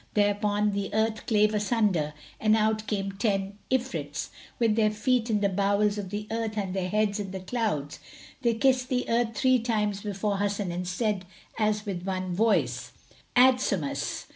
Thereupon the earth clave asunder and out came ten[FN#174] Ifrits, with their feet in the bowels of the earth and their heads in the clouds. They kissed the earth three times before Hasan and said as with one voice, "Adsumus!